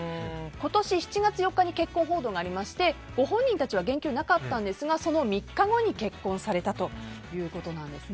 今年７月４日に結婚報道がありましてご本人たちは言及なかったんですがその３日後に結婚されたということです。